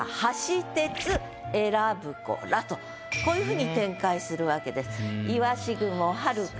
「鰯雲こういう風に展開するわけです。